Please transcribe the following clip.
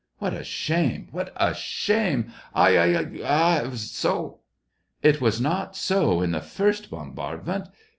" What a shame, what a shame ! I i hi hi ! It was not so in the first bombardment.